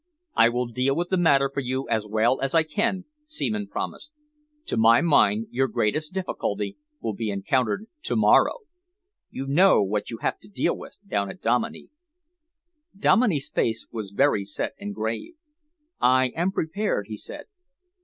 "I will deal with the matter for you as well as I can," Seaman promised. "To my mind, your greatest difficulty will be encountered to morrow. You know what you have to deal with down at Dominey." Dominey's face was very set and grave. "I am prepared," he said.